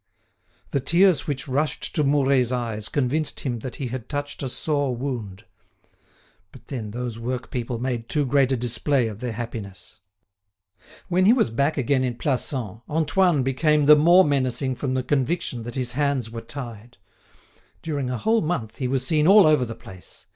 The tears which rushed to Mouret's eyes convinced him that he had touched a sore wound. But then those work people made too great a display of their happiness. When he was back again in Plassans, Antoine became the more menacing from the conviction that his hands were tied. During a whole month he was seen all over the place.